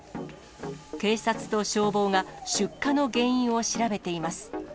警察と消防が出火の原因を調べています。